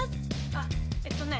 あっええっとね